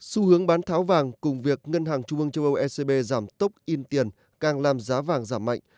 xu hướng bán tháo vàng cùng việc ngân hàng trung ương châu âu ecb giảm tốc in tiền càng làm giá vàng giảm mạnh